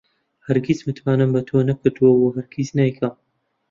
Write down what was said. هەرگیز متمانەم بە تۆ نەکردووە و هەرگیز نایکەم.